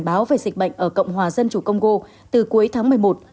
báo về dịch bệnh ở cộng hòa dân chủ congo từ cuối tháng một mươi một